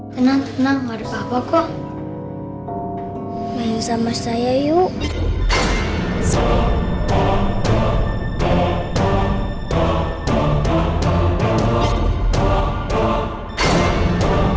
panggungnya udah datang yuk kita tolong anak anak